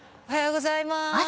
おはようございまーす。